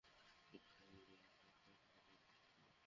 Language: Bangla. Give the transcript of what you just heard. ভাগ্যে মরণ লেখা থাকলে, তাদেরকে মরতেই হবে।